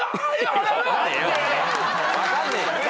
分かんねえだろ！